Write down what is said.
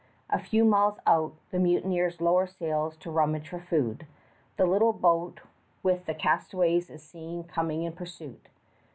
A few miles out, the mutineers lower sails to rummage for food. The little boat with the castaways is seen coming in pursuit.